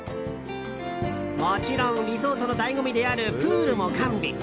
もちろんリゾートの醍醐味であるプールも完備。